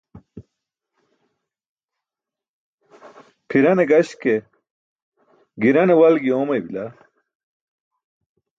Pʰirane gaśke girane walgi oomaybila.